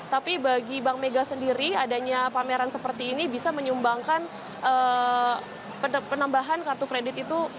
tapi bagi bank mega sendiri adanya pameran seperti ini bisa menyumbangkan penambahan kartu kredit itu